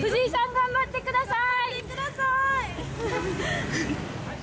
頑張ってください！